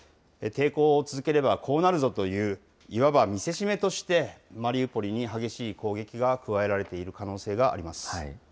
抵抗を続ければこうなるぞという、いわば見せしめとして、マリウポリに激しい攻撃が加えられている可能性があります。